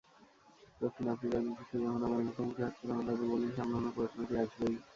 দক্ষিণ আফ্রিকার বিপক্ষে যখন আবার মুখোমুখি হচ্ছে তখন তাদের বোলিং সামলানোর প্রশ্নটি আসবেই।